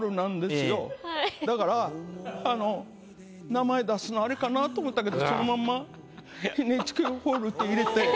名前出すのあれかなと思ったけどそのまんま「ＮＨＫホール」って入れて。